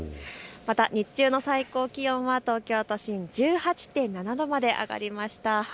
また日中の最高気温は東京都心、１８．７度まで上がりました。